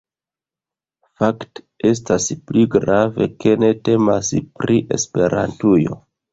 Fakte, estas pli grave, ke ne temas pri Esperantujo